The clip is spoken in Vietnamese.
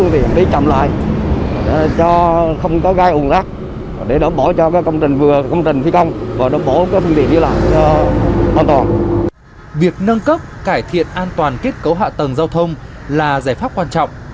việc nâng cấp cải thiện an toàn kết cấu hạ tầng giao thông là giải pháp quan trọng